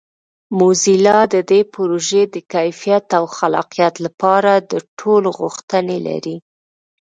موزیلا د دې پروژې د کیفیت او خلاقیت لپاره د ټولو غوښتنې لري.